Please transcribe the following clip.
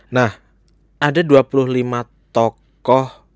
nah ada dua puluh lima tokoh